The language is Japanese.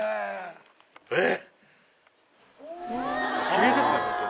えっ！